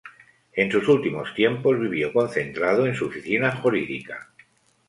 En sus últimos tiempos vivió concentrado en su oficina jurídica.